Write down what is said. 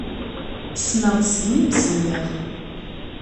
Ssneɣ-tt segmi meẓẓiyeɣ.